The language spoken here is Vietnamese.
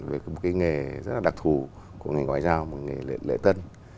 về một nghề rất là đặc thù của nghề ngoại giao nghề lễ tân